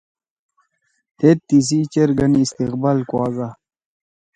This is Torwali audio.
تھید تیِسی چیر گھن استقبال کُواگا